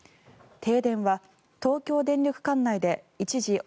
停電は東京電力管内で一時